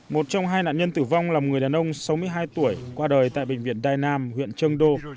một trong hai nạn nhân tử vong là một người đàn ông sáu mươi hai tuổi qua đời tại bệnh viện đài nam huyện trân đô